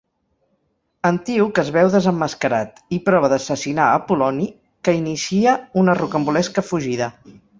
Antíoc es veu desemmascarat i prova d'assassinar Apol·loni, que inicia una rocambolesca fugida.